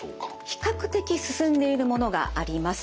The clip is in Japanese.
比較的進んでいるものがあります。